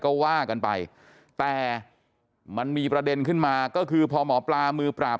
ก็ว่ากันไปแต่มันมีประเด็นขึ้นมาก็คือพอหมอปลามือปราบ